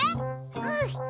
うん！